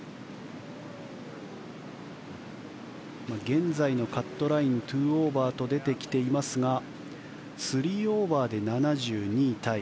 現在のカットライン２オーバーと出てきていますが３オーバーで７２位タイ。